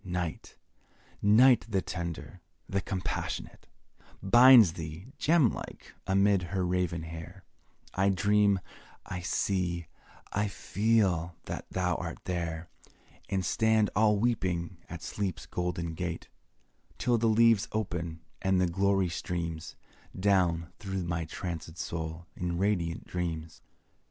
Night Night the tender, the compassionate, Binds thee, gem like, amid her raven hair; I dream I see I feel that thou art there And stand all weeping at Sleep's golden gate, Till the leaves open, and the glory streams Down through my trancèd soul in radiant dreams.